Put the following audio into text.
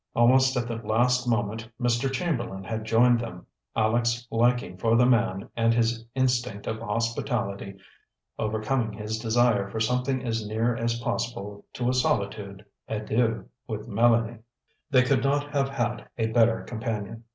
Almost at the last moment Mr. Chamberlain had joined them, Aleck's liking for the man and his instinct of hospitality overcoming his desire for something as near as possible to a solitude à deux with Mélanie. They could not have had a better companion.